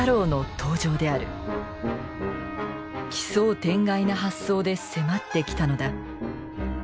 奇想天外な発想で迫ってきたのだ。